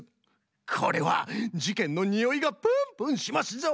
これはじけんのにおいがプンプンしますぞ！